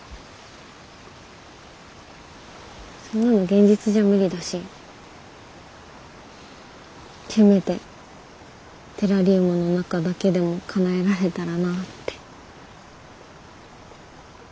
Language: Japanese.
そんなの現実じゃ無理だしせめてテラリウムの中だけでもかなえられたらなって。